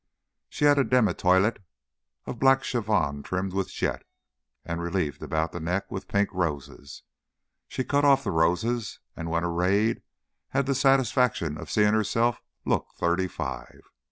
She had a demi toilette of black chiffon trimmed with jet and relieved about the neck with pink roses. She cut off the roses; and when arrayed had the satisfaction of seeing herself look thirty five.